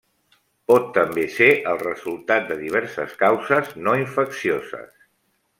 Pot també ser el resultat de diverses causes no infeccioses.